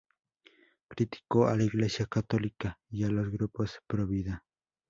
Criticó a la Iglesia católica y a los grupos provida.